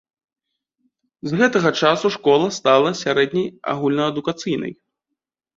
З гэтага часу школа стала сярэдняй агульнаадукацыйнай.